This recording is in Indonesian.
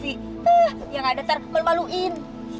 hah ya gak datar membaluin